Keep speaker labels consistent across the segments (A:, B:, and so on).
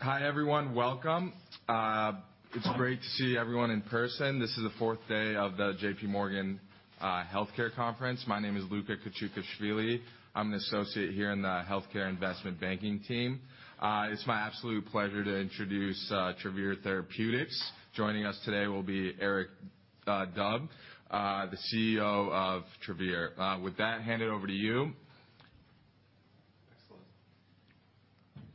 A: Hi, everyone. Welcome. It's great to see everyone in person. This is the fourth day of the JPMorgan Healthcare Conference. My name is Luka Kachukhashvili. I'm an associate here in the healthcare investment banking team. It's my absolute pleasure to introduce Travere Therapeutics. Joining us today will be Eric Dube, the CEO of Travere. With that, hand it over to you.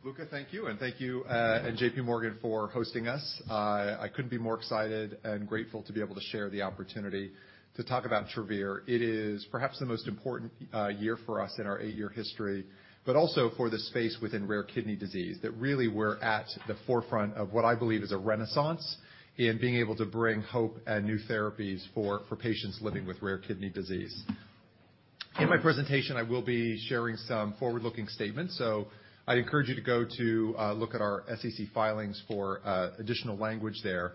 B: Excellent. Luka, thank you. Thank you and JPMorgan for hosting us. I couldn't be more excited and grateful to be able to share the opportunity to talk about Travere. It is perhaps the most important year for us in our eight-year history, but also for the space within rare kidney disease that really we're at the forefront of what I believe is a renaissance in being able to bring hope and new therapies for patients living with rare kidney disease. In my presentation, I will be sharing some forward-looking statements, so I'd encourage you to go to look at our SEC filings for additional language there.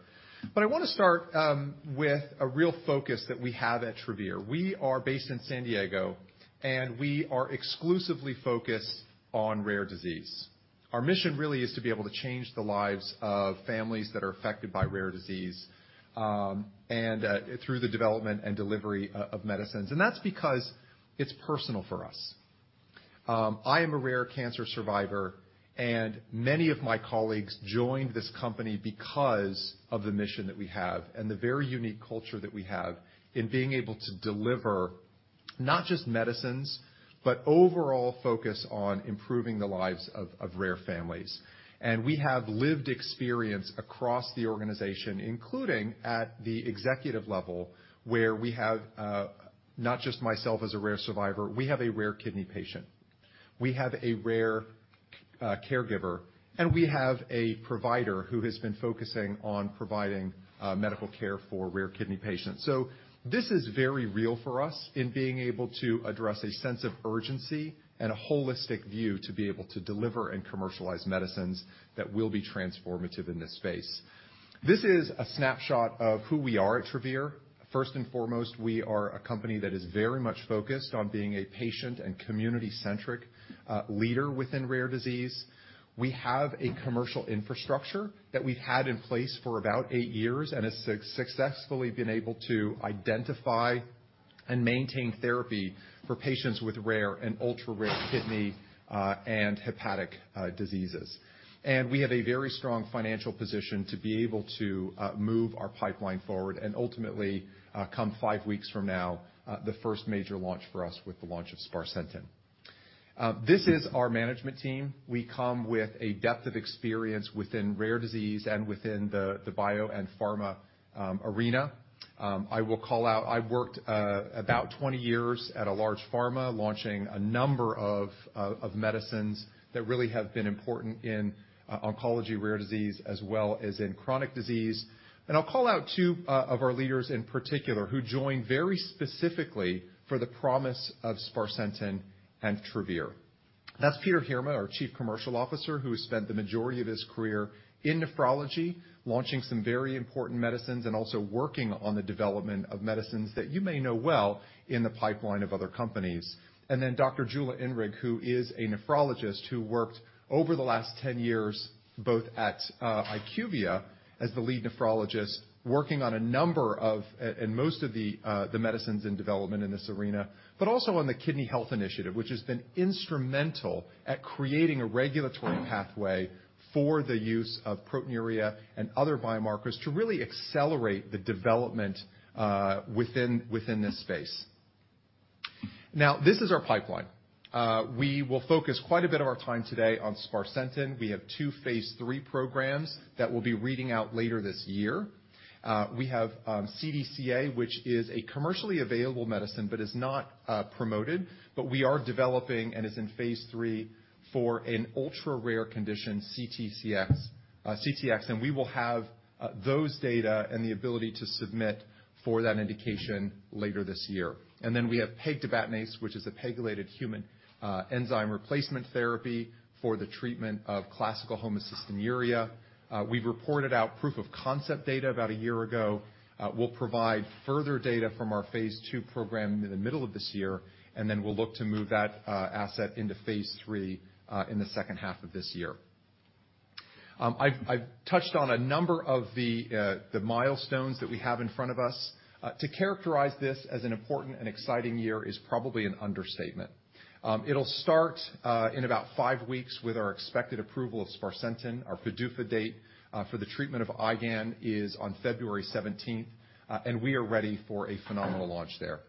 B: I wanna start with a real focus that we have at Travere. We are based in San Diego, and we are exclusively focused on rare disease. Our mission really is to be able to change the lives of families that are affected by rare disease, and through the development and delivery of medicines. That's because it's personal for us. I am a rare cancer survivor, and many of my colleagues joined this company because of the mission that we have and the very unique culture that we have in being able to deliver not just medicines, but overall focus on improving the lives of rare families. We have lived experience across the organization, including at the executive level, where we have not just myself as a rare survivor, we have a rare kidney patient. We have a rare caregiver, and we have a provider who has been focusing on providing medical care for rare kidney patients. This is very real for us in being able to address a sense of urgency and a holistic view to be able to deliver and commercialize medicines that will be transformative in this space. This is a snapshot of who we are at Travere. First and foremost, we are a company that is very much focused on being a patient and community-centric leader within rare disease. We have a commercial infrastructure that we've had in place for about eight years and has successfully been able to identify and maintain therapy for patients with rare and ultra-rare kidney and hepatic diseases. We have a very strong financial position to be able to move our pipeline forward, and ultimately, come five weeks from now, the first major launch for us with the launch of sparsentan. This is our management team. We come with a depth of experience within rare disease and within the bio and pharma arena. I will call out I've worked about 20 years at a large pharma, launching a number of medicines that really have been important in oncology rare disease as well as in chronic disease. I'll call out 2 of our leaders in particular who joined very specifically for the promise of sparsentan and Travere. That's Peter Heerma, our chief commercial officer, who has spent the majority of his career in nephrology, launching some very important medicines and also working on the development of medicines that you may know well in the pipeline of other companies. Then Dr. Jula Inrig, who is a nephrologist who worked over the last 10 years, both at IQVIA as the lead nephrologist, working on a number of and most of the medicines in development in this arena, but also on the Kidney Health Initiative, which has been instrumental at creating a regulatory pathway for the use of proteinuria and other biomarkers to really accelerate the development within this space. This is our pipeline. We will focus quite a bit of our time today on sparsentan. We have 2 phase III programs that we'll be reading out later this year. We have CDCA, which is a commercially available medicine, but is not promoted, but we are developing and is in phase III for an ultra-rare condition, CTX, and we will have those data and the ability to submit for that indication later this year. Then we have pegtibatinase, which is a pegylated human enzyme replacement therapy for the treatment of classical homocystinuria. We've reported out proof of concept data about a year ago. We'll provide further data from our phase II program in the middle of this year, then we'll look to move that asset into phase III in the second half of this year. I've touched on a number of the milestones that we have in front of us. To characterize this as an important and exciting year is probably an understatement. It'll start in about five weeks with our expected approval of sparsentan. Our PDUFA date for the treatment of IgAN is on February 17th. We are ready for a phenomenal launch there.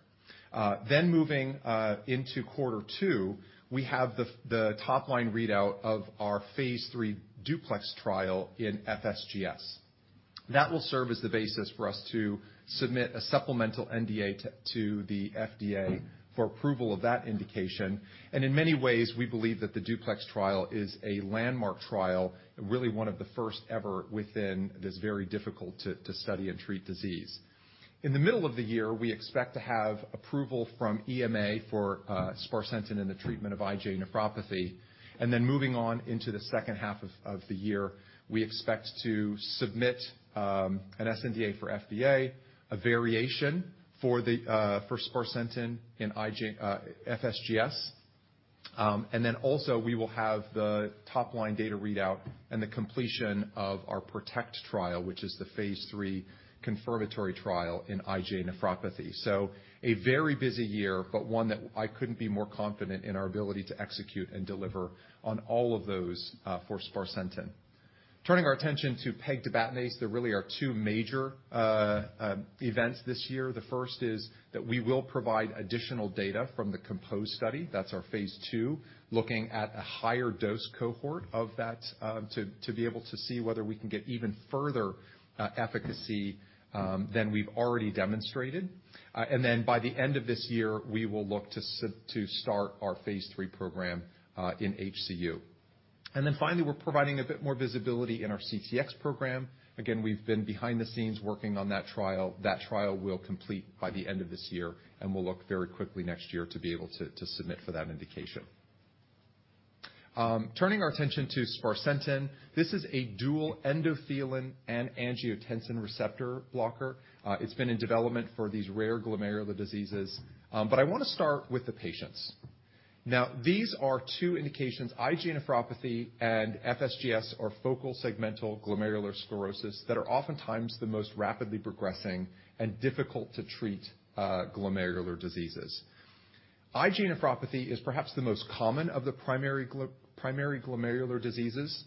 B: Moving into quarter 2, we have the top line readout of our phase III DUPLEX trial in FSGS. That will serve as the basis for us to submit a supplemental NDA to the FDA for approval of that indication. In many ways, we believe that the DUPLEX trial is a landmark trial, really one of the first ever within this very difficult to study and treat disease. In the middle of the year, we expect to have approval from EMA for sparsentan in the treatment of IgA nephropathy. Then moving on into the second half of the year, we expect to submit an sNDA for FDA, a variation for the for sparsentan in FSGS, and then also we will have the top-line data readout and the completion of our PROTECT trial, which is the phase III confirmatory trial in IgA nephropathy. A very busy year, but one that I couldn't be more confident in our ability to execute and deliver on all of those for sparsentan. Turning our attention to pegtibatinase, there really are two major events this year. The first is that we will provide additional data from the COMPOSE study. That's our phase II, looking at a higher dose cohort of that, to be able to see whether we can get even further efficacy than we've already demonstrated. By the end of this year, we will look to start our phase III program in HCU. Finally, we're providing a bit more visibility in our CTX program. Again, we've been behind the scenes working on that trial. That trial will complete by the end of this year, and we'll look very quickly next year to be able to submit for that indication. Turning our attention to sparsentan, this is a dual endothelin and angiotensin receptor blocker. It's been in development for these rare glomerular diseases. I wanna start with the patients. Now, these are two indications, IgA nephropathy and FSGS, or focal segmental glomerulosclerosis, that are oftentimes the most rapidly progressing and difficult to treat glomerular diseases. IgA nephropathy is perhaps the most common of the primary glomerular diseases.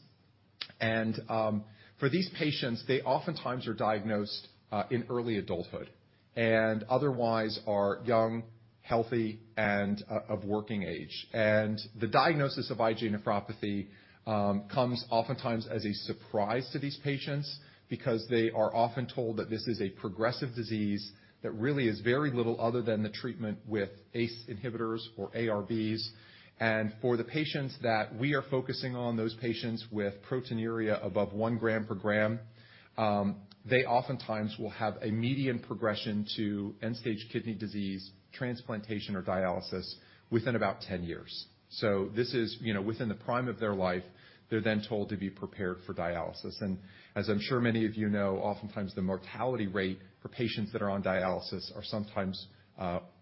B: For these patients, they oftentimes are diagnosed in early adulthood, and otherwise are young, healthy, and of working age. The diagnosis of IgA nephropathy comes oftentimes as a surprise to these patients because they are often told that this is a progressive disease that really is very little other than the treatment with ACE inhibitors or ARBs. For the patients that we are focusing on, those patients with proteinuria above 1 gram per gram, they oftentimes will have a median progression to end-stage kidney disease, transplantation, or dialysis within about 10 years. This is, you know, within the prime of their life, they're then told to be prepared for dialysis. As I'm sure many of you know, oftentimes the mortality rate for patients that are on dialysis are sometimes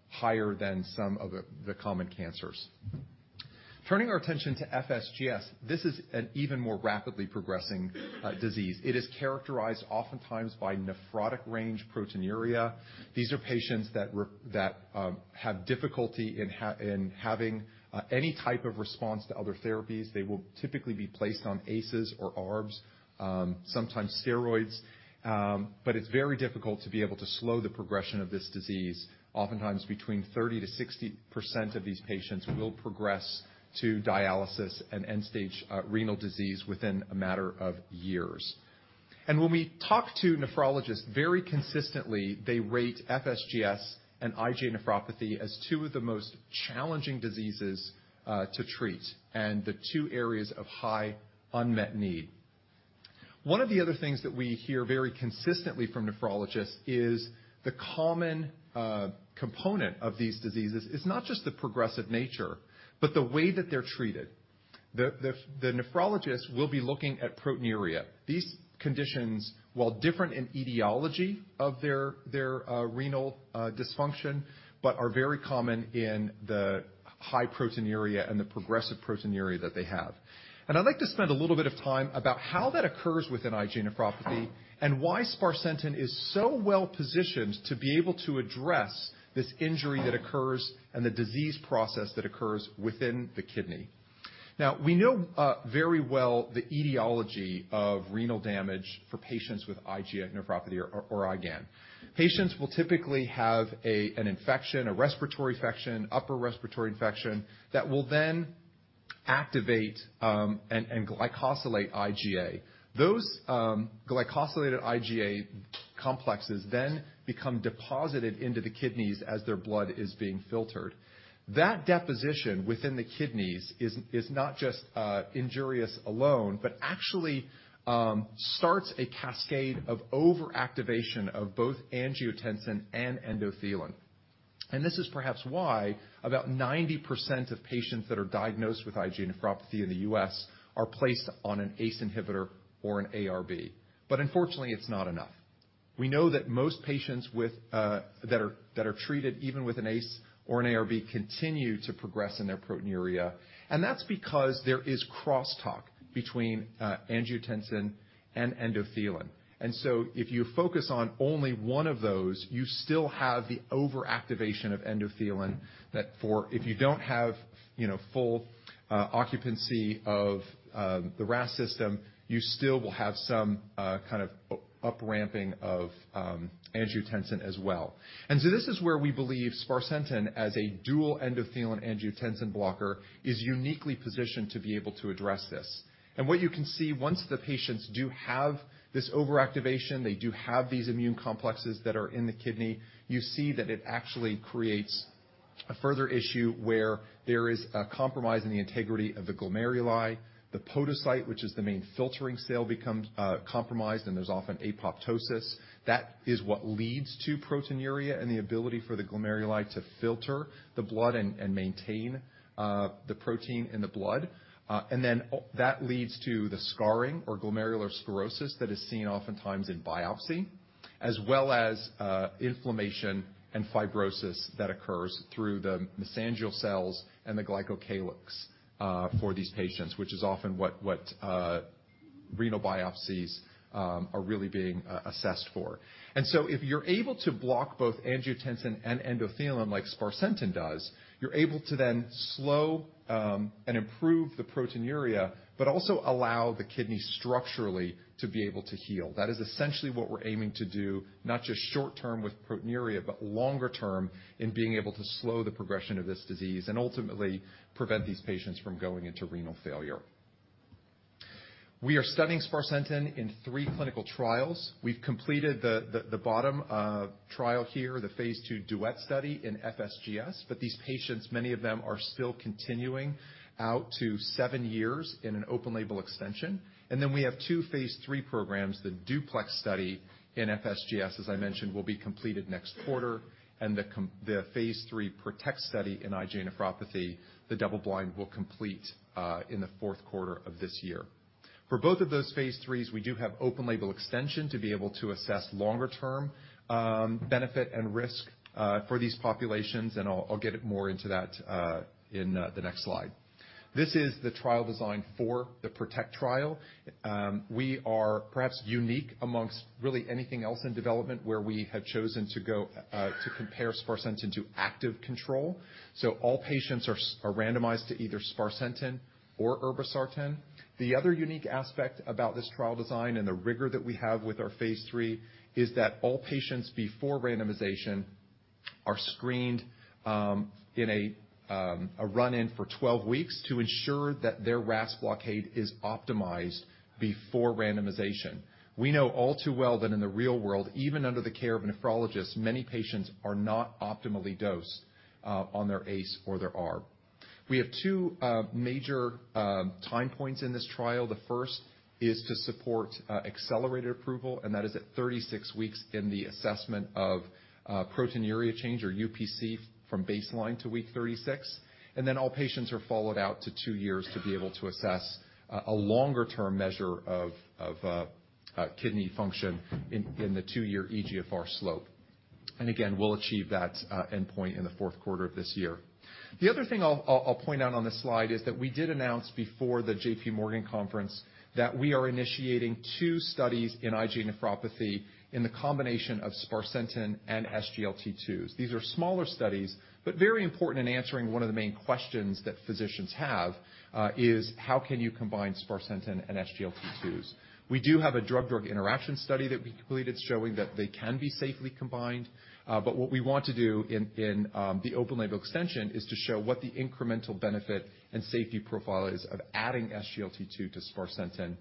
B: higher than some of the common cancers. Turning our attention to FSGS, this is an even more rapidly progressing disease. It is characterized oftentimes by nephrotic-range proteinuria. These are patients that have difficulty in having any type of response to other therapies. They will typically be placed on ACEs or ARBs, sometimes steroids. But it's very difficult to be able to slow the progression of this disease. Oftentimes between 30%-60% of these patients will progress to dialysis and end-stage renal disease within a matter of years. When we talk to nephrologists, very consistently, they rate FSGS and IgA nephropathy as two of the most challenging diseases to treat, and the two areas of high unmet need. One of the other things that we hear very consistently from nephrologists is the common component of these diseases is not just the progressive nature, but the way that they're treated. The nephrologists will be looking at proteinuria. These conditions, while different in etiology of their renal dysfunction, but are very common in the high proteinuria and the progressive proteinuria that they have. I'd like to spend a little bit of time about how that occurs within IgA nephropathy and why sparsentan is so well-positioned to be able to address this injury that occurs and the disease process that occurs within the kidney. We know very well the etiology of renal damage for patients with IgA nephropathy or IgAN. Patients will typically have an infection, a respiratory infection, upper respiratory infection, that will then activate and glycosylate IgA. Those glycosylated IgA complexes then become deposited into the kidneys as their blood is being filtered. That deposition within the kidneys is not just injurious alone, but actually starts a cascade of overactivation of both angiotensin and endothelin. This is perhaps why about 90% of patients that are diagnosed with IgA nephropathy in the U.S. are placed on an ACE inhibitor or an ARB. Unfortunately, it's not enough. We know that most patients with that are treated even with an ACE or an ARB continue to progress in their proteinuria. That's because there is crosstalk between angiotensin and endothelin. If you focus on only one of those, you still have the overactivation of endothelin that for... If you don't have, you know, full occupancy of the RAS system, you still will have some kind of upping ramping of angiotensin as well. This is where we believe sparsentan as a dual endothelin angiotensin blocker is uniquely positioned to be able to address this. What you can see, once the patients do have this overactivation, they do have these immune complexes that are in the kidney, you see that it actually creates a further issue where there is a compromise in the integrity of the glomeruli. The podocyte, which is the main filtering cell, becomes compromised, and there's often apoptosis. That is what leads to proteinuria and the ability for the glomeruli to filter the blood and maintain the protein in the blood. that leads to the scarring or glomerulosclerosis that is seen oftentimes in biopsy, as well as inflammation and fibrosis that occurs through the mesangial cells and the glycocalyx for these patients, which is often what renal biopsies are really being assessed for. If you're able to block both angiotensin and endothelin like sparsentan does, you're able to then slow and improve the proteinuria, but also allow the kidney structurally to be able to heal. That is essentially what we're aiming to do, not just short term with proteinuria, but longer term in being able to slow the progression of this disease and ultimately prevent these patients from going into renal failure. We are studying sparsentan in three clinical trials. We've completed the bottom trial here, the phase II DUET study in FSGS. These patients, many of them are still continuing out to 7 years in an open label extension. We have 2 phase III programs, the DUPLEX study in FSGS, as I mentioned, will be completed next quarter. The phase III PROTECT study in IgA nephropathy, the double blind, will complete in the 4th quarter of this year. For both of those phase IIIs, we do have open label extension to be able to assess longer term benefit and risk for these populations, and I'll get more into that in the next slide. This is the trial design for the PROTECT trial. We are perhaps unique amongst really anything else in development where we have chosen to go to compare sparsentan to active control. All patients are randomized to either sparsentan or irbesartan. The other unique aspect about this trial design and the rigor that we have with our phase III is that all patients before randomization are screened, in a run-in for 12 weeks to ensure that their RAS blockade is optimized before randomization. We know all too well that in the real world, even under the care of nephrologists, many patients are not optimally dosed on their ACE or their ARB. We have 2 major time points in this trial. The first is to support accelerated approval, and that is at 36 weeks in the assessment of proteinuria change or UPC from baseline to week 36. All patients are followed out to 2 years to be able to assess a longer term measure of kidney function in the 2-year eGFR slope. Again, we'll achieve that endpoint in the fourth quarter of this year. The other thing I'll point out on this slide is that we did announce before the JPMorgan conference that we are initiating two studies in IgA nephropathy in the combination of sparsentan and SGLT2s. These are smaller studies, but very important in answering one of the main questions that physicians have, is how can you combine sparsentan and SGLT2s? We do have a drug-drug interaction study that we completed showing that they can be safely combined. What we want to do in the open label extension is to show what the incremental benefit and safety profile is of adding SGLT2 to sparsentan.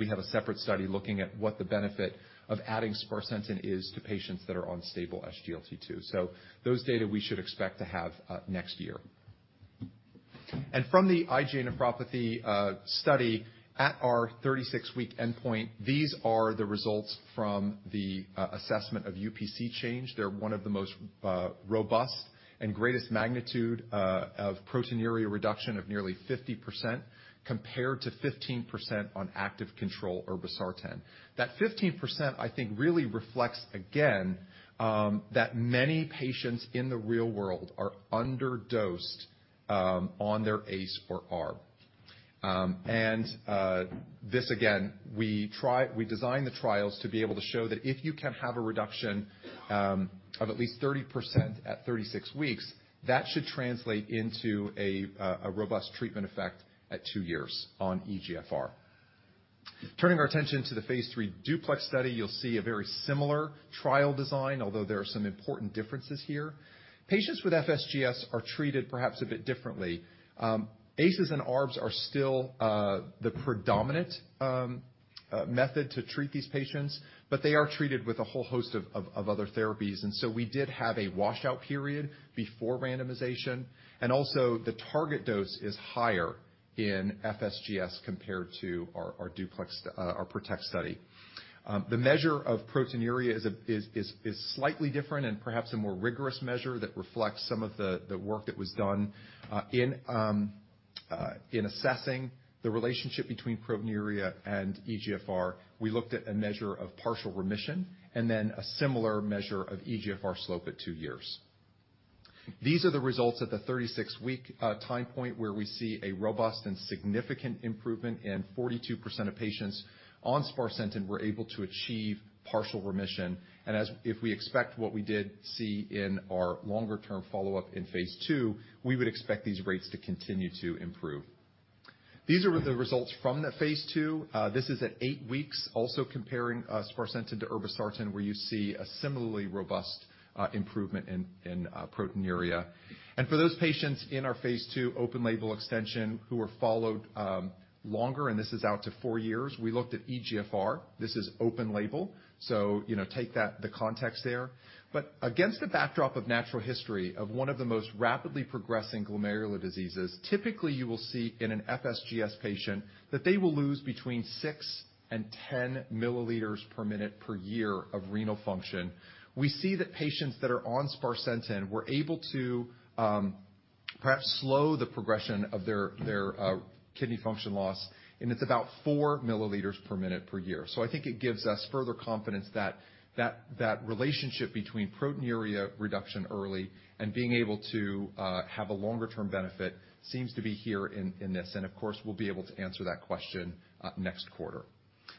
B: We have a separate study looking at what the benefit of adding sparsentan is to patients that are on stable SGLT2. Those data we should expect to have next year. From the IgA nephropathy study at our 36-week endpoint, these are the results from the assessment of UPC change. They're one of the most robust and greatest magnitude of proteinuria reduction of nearly 50% compared to 15% on active control irbesartan. That 15%, I think, really reflects, again, that many patients in the real world are underdosed on their ACE or ARB. This, again, we design the trials to be able to show that if you can have a reduction of at least 30% at 36 weeks, that should translate into a robust treatment effect at two years on eGFR. Turning our attention to the phase III DUPLEX study, you'll see a very similar trial design, although there are some important differences here. Patients with FSGS are treated perhaps a bit differently. ACEs and ARBs are still the predominant method to treat these patients, but they are treated with a whole host of other therapies. We did have a washout period before randomization. Also the target dose is higher in FSGS compared to our DUPLEX, our PROTECT study. The measure of proteinuria is a slightly different and perhaps a more rigorous measure that reflects some of the work that was done in assessing the relationship between proteinuria and eGFR. We looked at a measure of partial remission and then a similar measure of eGFR slope at 2 years. These are the results at the 36-week time point where we see a robust and significant improvement in 42% of patients on sparsentan were able to achieve partial remission. As if we expect what we did see in our longer term follow-up in phase II, we would expect these rates to continue to improve. These are the results from the phase II. This is at eight weeks, also comparing sparsentan to irbesartan, where you see a similarly robust improvement in proteinuria. For those patients in our phase II open label extension who were followed longer, and this is out to four years, we looked at eGFR. This is open label, so, you know, take that, the context there. Against the backdrop of natural history of one of the most rapidly progressing glomerular diseases, typically, you will see in an FSGS patient that they will lose between 6 and 10 milliliters per minute per year of renal function. We see that patients that are on sparsentan were able to perhaps slow the progression of their kidney function loss, and it's about 4 milliliters per minute per year. I think it gives us further confidence that relationship between proteinuria reduction early and being able to have a longer-term benefit seems to be here in this. Of course, we'll be able to answer that question next quarter.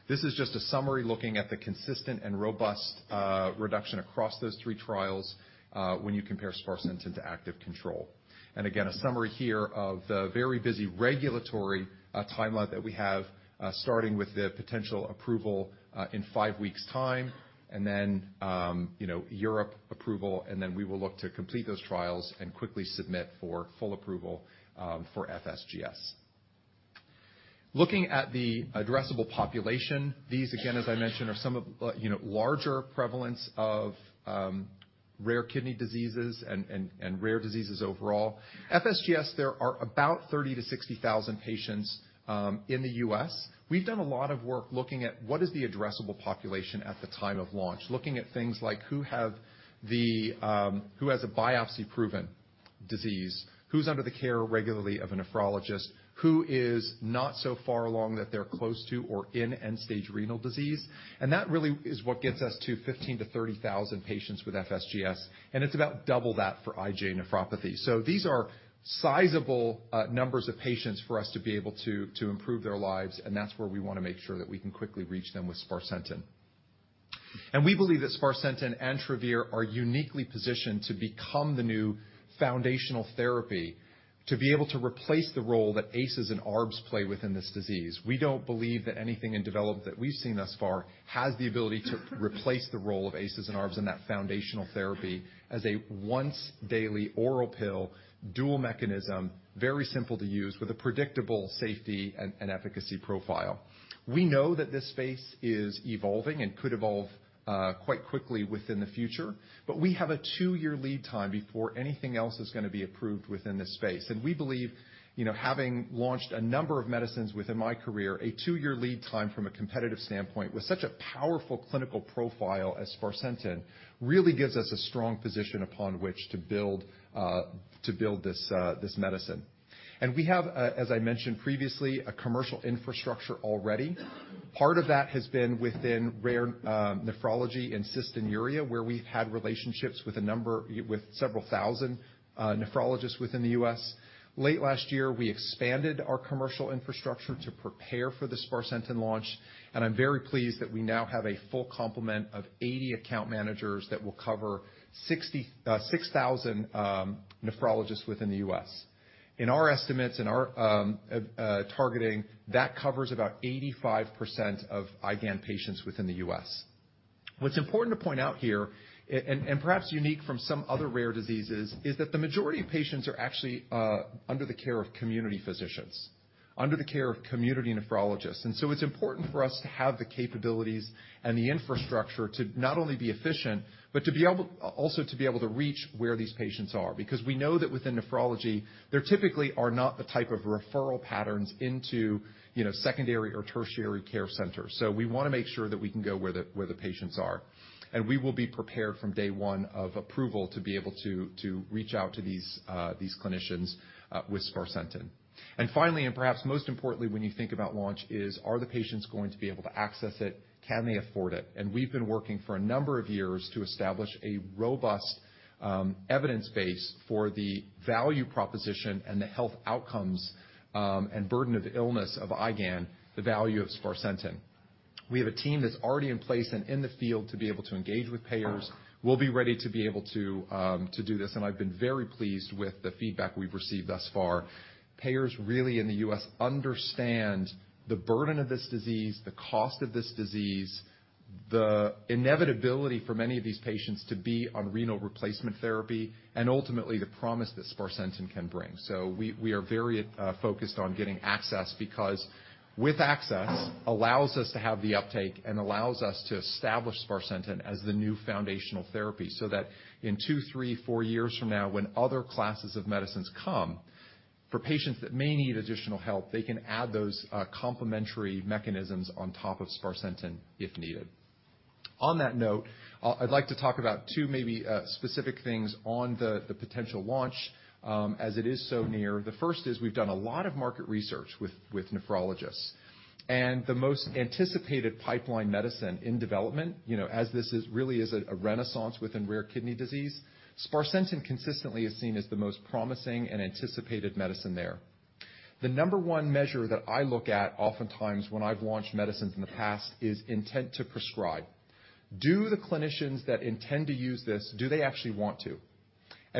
B: This is just a summary looking at the consistent and robust reduction across those 3 trials when you compare sparsentan to active control. Again, a summary here of the very busy regulatory timeline that we have, starting with the potential approval in 5 weeks time, you know, Europe approval, then we will look to complete those trials and quickly submit for full approval for FSGS. Looking at the addressable population, these again, as I mentioned, are some of you know, larger prevalence of rare kidney diseases and rare diseases overall. FSGS, there are about 30,000-60,000 patients in the U.S. We've done a lot of work looking at what is the addressable population at the time of launch. Looking at things like who have the, who has a biopsy-proven disease, who's under the care regularly of a nephrologist, who is not so far along that they're close to or in end-stage renal disease. That really is what gets us to 15,000-30,000 patients with FSGS, and it's about double that for IgA nephropathy. These are sizable numbers of patients for us to be able to improve their lives, and that's where we wanna make sure that we can quickly reach them with sparsentan. We believe that sparsentan and Travere are uniquely positioned to become the new foundational therapy to be able to replace the role that ACEs and ARBs play within this disease. We don't believe that anything in development that we've seen thus far has the ability to replace the role of ACEs and ARBs in that foundational therapy as a once-daily oral pill, dual mechanism, very simple to use, with a predictable safety and efficacy profile. We know that this space is evolving and could evolve quite quickly within the future, but we have a two-year lead time before anything else is gonna be approved within this space. We believe, you know, having launched a number of medicines within my career, a two-year lead time from a competitive standpoint, with such a powerful clinical profile as sparsentan, really gives us a strong position upon which to build to build this medicine. We have, as I mentioned previously, a commercial infrastructure already. Part of that has been within rare nephrology and cystinuria, where we've had relationships with several thousand nephrologists within the U.S. Late last year, we expanded our commercial infrastructure to prepare for the sparsentan launch, and I'm very pleased that we now have a full complement of 80 account managers that will cover 6,000 nephrologists within the U.S. In our estimates, in our targeting, that covers about 85% of IgAN patients within the U.S. What's important to point out here, and perhaps unique from some other rare diseases, is that the majority of patients are actually under the care of community physicians, under the care of community nephrologists. It's important for us to have the capabilities and the infrastructure to not only be efficient, but to be able also to be able to reach where these patients are. We know that within nephrology, there typically are not the type of referral patterns into, you know, secondary or tertiary care centers. We wanna make sure that we can go where the patients are. We will be prepared from day one of approval to be able to reach out to these clinicians with sparsentan. Finally, and perhaps most importantly when you think about launch is, are the patients going to be able to access it? Can they afford it? We've been working for a number of years to establish a robust evidence base for the value proposition and the health outcomes and burden of illness of IgAN, the value of sparsentan. We have a team that's already in place and in the field to be able to engage with payers, will be ready to be able to do this, and I've been very pleased with the feedback we've received thus far. Payers really in the U.S. understand the burden of this disease, the cost of this disease, the inevitability for many of these patients to be on renal replacement therapy, and ultimately the promise that sparsentan can bring. We are very focused on getting access because with access allows us to have the uptake and allows us to establish sparsentan as the new foundational therapy, so that in two, three, four years from now when other classes of medicines come, for patients that may need additional help, they can add those complementary mechanisms on top of sparsentan if needed. On that note, I'd like to talk about two maybe specific things on the potential launch as it is so near. The first is we've done a lot of market research with nephrologists. The most anticipated pipeline medicine in development, you know, as this is, really is a renaissance within rare kidney disease, sparsentan consistently is seen as the most promising and anticipated medicine there. The number one measure that I look at oftentimes when I've launched medicines in the past is intent to prescribe. Do the clinicians that intend to use this, do they actually want to?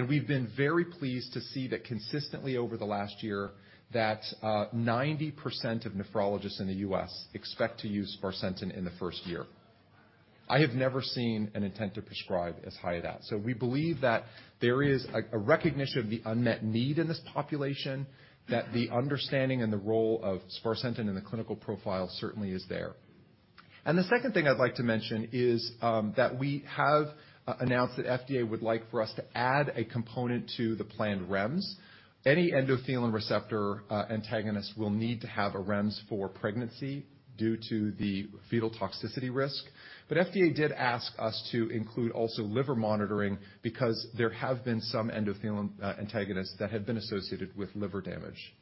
B: We've been very pleased to see that consistently over the last year that 90% of nephrologists in the U.S. expect to use sparsentan in the first year. I have never seen an intent to prescribe as high as that. We believe that there is a recognition of the unmet need in this population, that the understanding and the role of sparsentan in the clinical profile certainly is there. The second thing I'd like to mention is that we have announced that FDA would like for us to add a component to the planned REMS. Any endothelin receptor antagonist will need to have a REMS for pregnancy due to the fetal toxicity risk. FDA did ask us to include also liver monitoring because there have been some endothelin antagonists that have been associated with liver damage.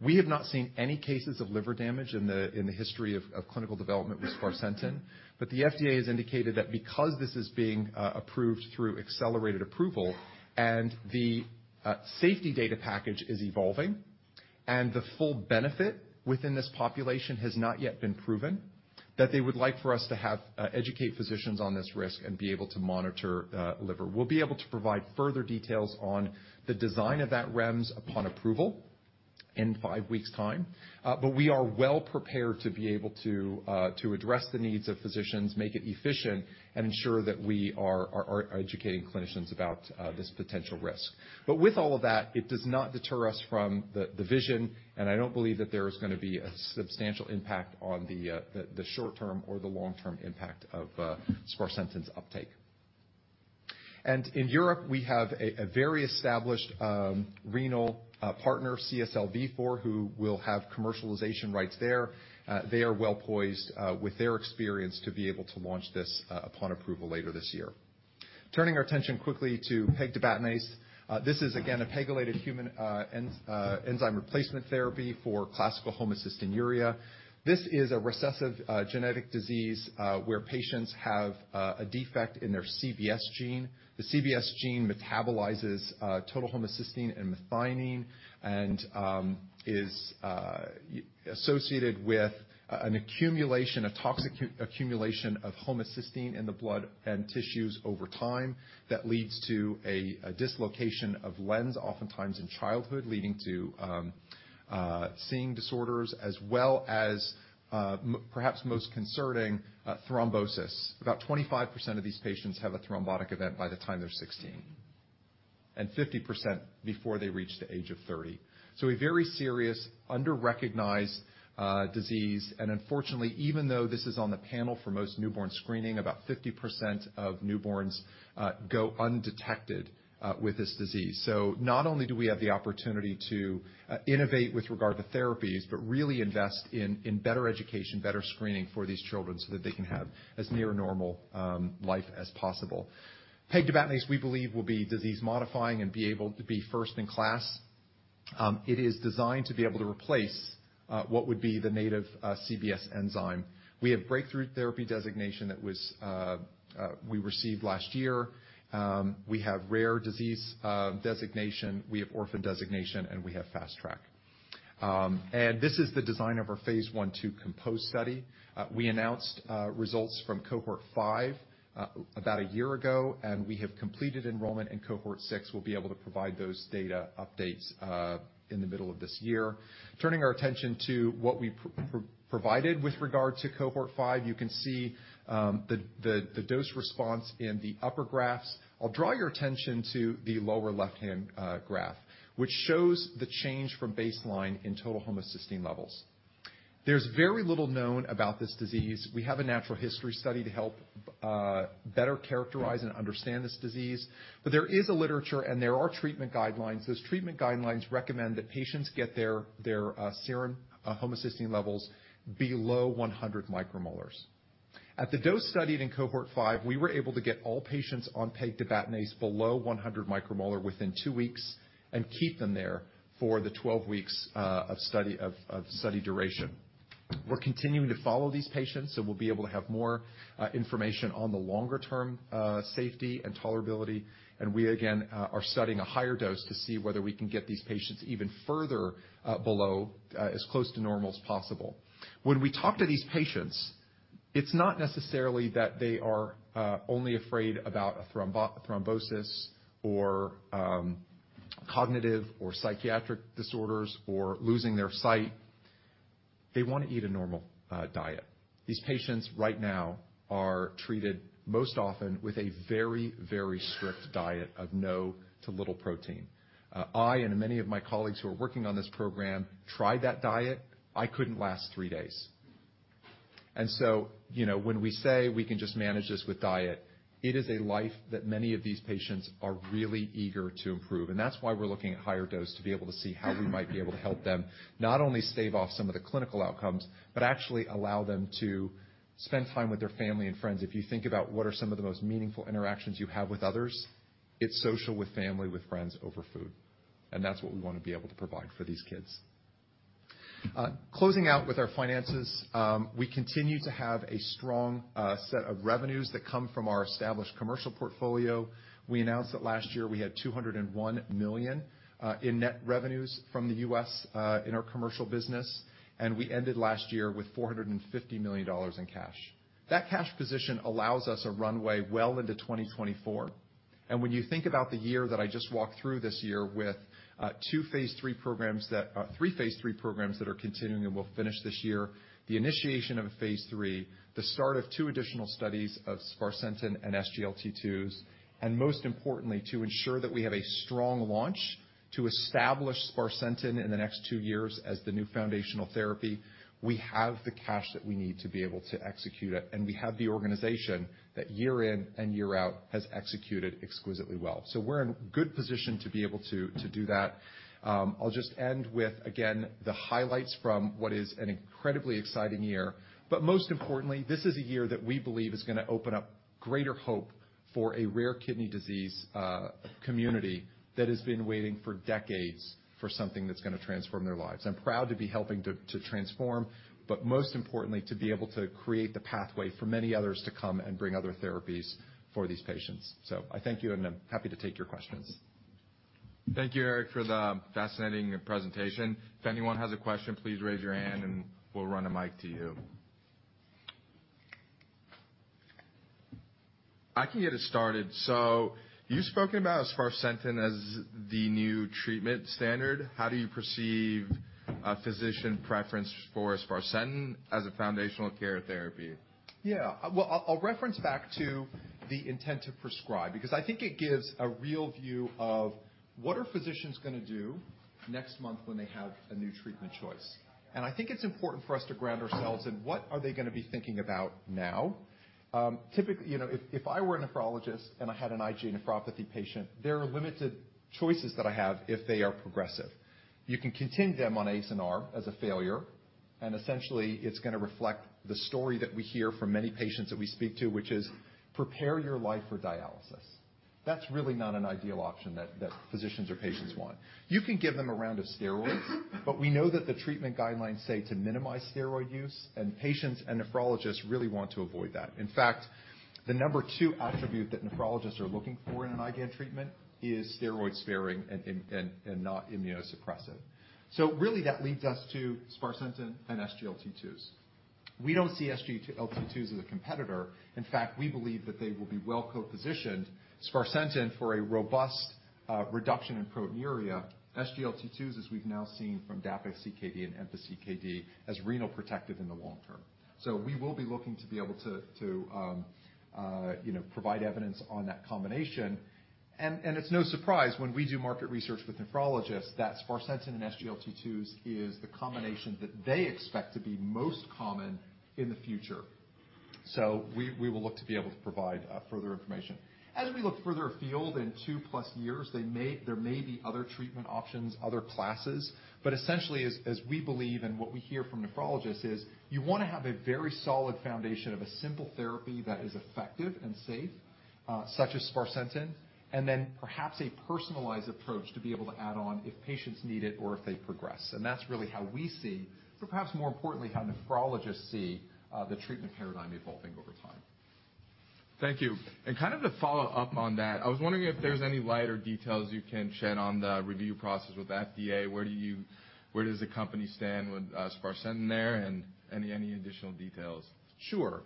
B: We have not seen any cases of liver damage in the history of clinical development with sparsentan. The FDA has indicated that because this is being approved through accelerated approval and the safety data package is evolving and the full benefit within this population has not yet been proven, that they would like for us to educate physicians on this risk and be able to monitor liver. We'll be able to provide further details on the design of that REMS upon approval in five weeks time. We are well prepared to be able to address the needs of physicians, make it efficient, and ensure that we are educating clinicians about this potential risk. With all of that, it does not deter us from the vision, and I don't believe that there is gonna be a substantial impact on the short-term or the long-term impact of sparsentan's uptake. In Europe, we have a very established renal partner, CSL Vifor, who will have commercialization rights there. They are well poised with their experience to be able to launch this upon approval later this year. Turning our attention quickly to pegtibatinase. This is again, a pegylated human enzyme replacement therapy for classical homocystinuria. This is a recessive genetic disease, where patients have a defect in their CBS gene. The CBS gene metabolizes total homocystine and methionine and is associated with an accumulation, a toxic accumulation of homocystine in the blood and tissues over time that leads to a dislocation of lens, oftentimes in childhood, leading to seeing disorders as well as perhaps most concerning, thrombosis. About 25% of these patients have a thrombotic event by the time they're 16. 50% before they reach the age of 30. A very serious under-recognized disease. Unfortunately, even though this is on the panel for most newborn screening, about 50% of newborns go undetected with this disease. Not only do we have the opportunity to innovate with regard to therapies, but really invest in better education, better screening for these children so that they can have as near a normal life as possible. Pegtibatinase, we believe, will be disease modifying and be able to be first in class. It is designed to be able to replace what would be the native CBS enzyme. We have Breakthrough Therapy designation that was we received last year. We have rare disease designation, we have orphan designation, and we have Fast Track. And this is the design of our Phase 1/2 COMPOSE study. We announced results from cohort 5 about a year ago, and we have completed enrollment in cohort 6. We'll be able to provide those data updates in the middle of this year. Turning our attention to what we provided with regard to cohort 5, you can see the dose response in the upper graphs. I'll draw your attention to the lower left-hand graph, which shows the change from baseline in total homocysteine levels. There's very little known about this disease. We have a natural history study to help better characterize and understand this disease, but there is a literature and there are treatment guidelines. Those treatment guidelines recommend that patients get their serum homocysteine levels below 100 micromolar. At the dose studied in cohort 5, we were able to get all patients on pegtibatinase below 100 micromolar within 2 weeks and keep them there for the 12 weeks of study duration. We're continuing to follow these patients, so we'll be able to have more information on the longer-term safety and tolerability, and we again are studying a higher dose to see whether we can get these patients even further below as close to normal as possible. When we talk to these patients, it's not necessarily that they are only afraid about a thrombosis or cognitive or psychiatric disorders or losing their sight. They wanna eat a normal diet. These patients right now are treated most often with a very, very strict diet of no to little protein. I and many of my colleagues who are working on this program tried that diet. I couldn't last three days. You know, when we say we can just manage this with diet, it is a life that many of these patients are really eager to improve. That's why we're looking at higher dose to be able to see how we might be able to help them not only stave off some of the clinical outcomes, but actually allow them to spend time with their family and friends. If you think about what are some of the most meaningful interactions you have with others, it's social with family, with friends over food. That's what we wanna be able to provide for these kids. Closing out with our finances, we continue to have a strong set of revenues that come from our established commercial portfolio. We announced that last year we had $201 million in net revenues from the US in our commercial business. We ended last year with $450 million in cash. That cash position allows us a runway well into 2024. When you think about the year that I just walked through this year with 2 phase III programs that 3 phase III programs that are continuing and will finish this year, the initiation of a phase III, the start of 2 additional studies of sparsentan and SGLT2s, Most importantly, to ensure that we have a strong launch to establish sparsentan in the next 2 years as the new foundational therapy, we have the cash that we need to be able to execute it, We have the organization that year in and year out has executed exquisitely well. We're in good position to be able to do that. I'll just end with, again, the highlights from what is an incredibly exciting year, but most importantly, this is a year that we believe is gonna open up greater hope for a rare kidney disease community that has been waiting for decades for something that's gonna transform their lives. I'm proud to be helping to transform, but most importantly, to be able to create the pathway for many others to come and bring other therapies for these patients. I thank you, and I'm happy to take your questions.
A: Thank you, Eric, for the fascinating presentation. If anyone has a question, please raise your hand and we'll run a mic to you. I can get us started. You've spoken about sparsentan as the new treatment standard. How do you perceive a physician preference for sparsentan as a foundational care therapy?
B: Yeah. Well, I'll reference back to the intent to prescribe, because I think it gives a real view of what are physicians gonna do next month when they have a new treatment choice. I think it's important for us to ground ourselves in what are they gonna be thinking about now. Typically, you know, if I were a nephrologist and I had an IgA nephropathy patient, there are limited choices that I have if they are progressive. You can continue them on ACE and ARB as a failure, and essentially it's gonna reflect the story that we hear from many patients that we speak to, which is, "Prepare your life for dialysis." That's really not an ideal option that physicians or patients want. You can give them a round of steroids, We know that the treatment guidelines say to minimize steroid use, and patients and nephrologists really want to avoid that. In fact, the number two attribute that nephrologists are looking for in an IgAN treatment is steroid-sparing and not immunosuppressive. Really, that leads us to sparsentan and SGLT2s. We don't see SGLT2s as a competitor. In fact, we believe that they will be well co-positioned, sparsentan for a robust reduction in proteinuria, SGLT2s as we've now seen from DAPA-CKD and EMPA-KIDNEY as renal protective in the long term. We will be looking to be able to, you know, provide evidence on that combination. It's no surprise when we do market research with nephrologists, that sparsentan and SGLT2s is the combination that they expect to be most common in the future. We will look to be able to provide further information. As we look further afield in 2+ years, there may be other treatment options, other classes, but essentially, as we believe and what we hear from nephrologists is, you wanna have a very solid foundation of a simple therapy that is effective and safe, such as sparsentan, and then perhaps a personalized approach to be able to add on if patients need it or if they progress. That's really how we see, but perhaps more importantly, how nephrologists see the treatment paradigm evolving over time.
A: Thank you. Kind of to follow up on that, I was wondering if there's any light or details you can shed on the review process with FDA. Where does the company stand with sparsentan there, and any additional details?
B: Sure.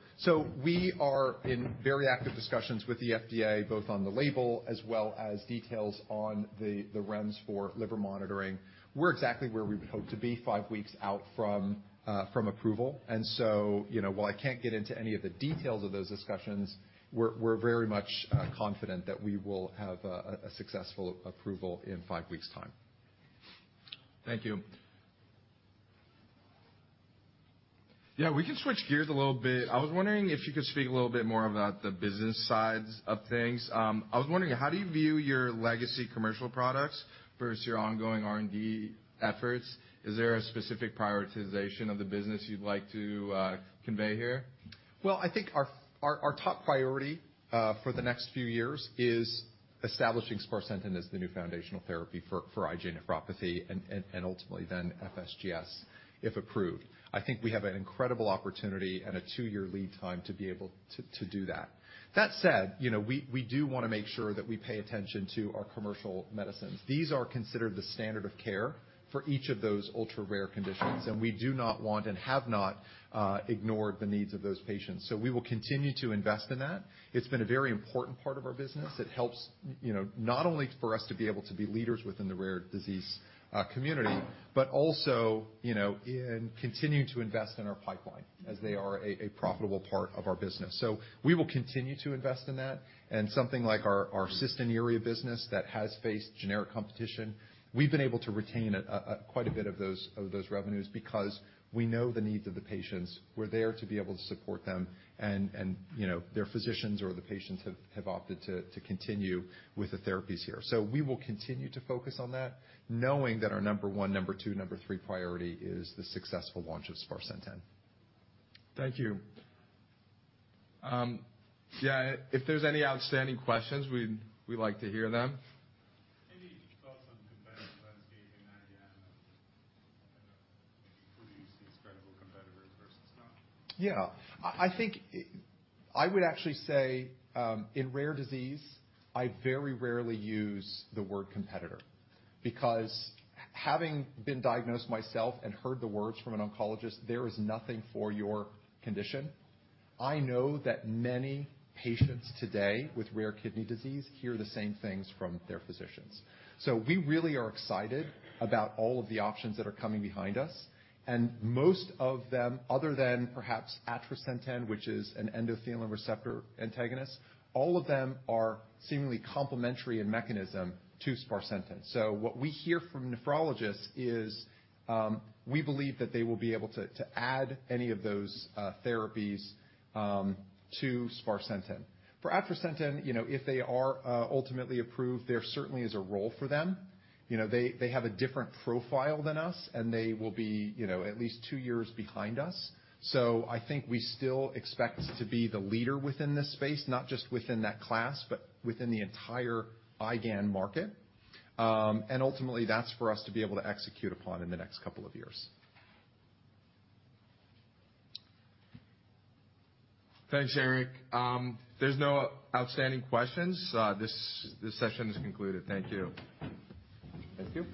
B: We are in very active discussions with the FDA, both on the label as well as details on the REMS for liver monitoring. We're exactly where we would hope to be 5 weeks out from approval. You know, while I can't get into any of the details of those discussions, we're very much confident that we will have a successful approval in 5 weeks' time.
A: Thank you. Yeah, we can switch gears a little bit. I was wondering if you could speak a little bit more about the business sides of things. I was wondering, how do you view your legacy commercial products versus your ongoing R&D efforts? Is there a specific prioritization of the business you'd like to convey here?
B: Well, I think our top priority for the next few years is establishing sparsentan as the new foundational therapy for IgA nephropathy and ultimately then FSGS, if approved. I think we have an incredible opportunity and a 2-year lead time to be able to do that. That said, you know, we do wanna make sure that we pay attention to our commercial medicines. These are considered the standard of care for each of those ultra-rare conditions, and we do not want and have not ignored the needs of those patients. We will continue to invest in that. It's been a very important part of our business. It helps, you know, not only for us to be able to be leaders within the rare disease community, but also, you know, in continuing to invest in our pipeline as they are a profitable part of our business. We will continue to invest in that. Something like our cystinuria business that has faced generic competition, we've been able to retain quite a bit of those, of those revenues because we know the needs of the patients. We're there to be able to support them and, you know, their physicians or the patients have opted to continue with the therapies here. We will continue to focus on that, knowing that our number one, number two, number three priority is the successful launch of sparsentan.
A: Thank you. Yeah, if there's any outstanding questions, we'd like to hear them.
C: Any thoughts on competitive landscaping at amyloidosis and whether you see incredible competitors versus not?
B: Yeah. I think I would actually say in rare disease, I very rarely use the word competitor because having been diagnosed myself and heard the words from an oncologist, "There is nothing for your condition," I know that many patients today with rare kidney disease hear the same things from their physicians. We really are excited about all of the options that are coming behind us. Most of them, other than perhaps atrasentan, which is an endothelin receptor antagonist, all of them are seemingly complementary in mechanism to sparsentan. What we hear from nephrologists is, we believe that they will be able to add any of those therapies to sparsentan. For atrasentan, you know, if they are ultimately approved, there certainly is a role for them. You know, they have a different profile than us, and they will be, you know, at least 2 years behind us. I think we still expect to be the leader within this space, not just within that class, but within the entire IgAN market. Ultimately, that's for us to be able to execute upon in the next couple of years.
A: Thanks, Eric. There's no outstanding questions. This session is concluded. Thank you.
B: Thank you.